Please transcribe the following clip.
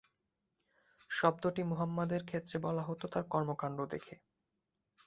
শব্দটি মুহাম্মাদের ক্ষেত্রে বলা হত তার কর্মকাণ্ড দেখে।